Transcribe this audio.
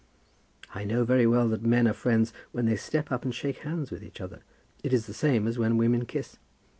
"I know very well that men are friends when they step up and shake hands with each other. It is the same as when women kiss."